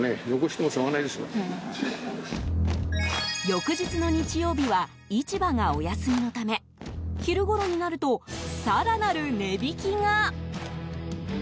翌日の日曜日は市場がお休みのため昼ごろになると更なる値引きが。